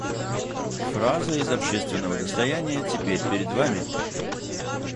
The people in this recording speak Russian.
Фраза из общественного достояния теперь перед Вами!